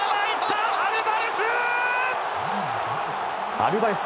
アルバレス！